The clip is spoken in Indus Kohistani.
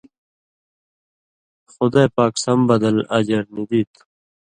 خُدائ پاک سم بدل (اجر) نی دی تُھو